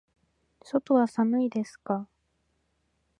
外は寒いですか。